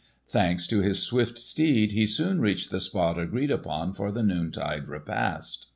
Thanks to his swift steed he soon reached the spot agreed upon for the noontide repast.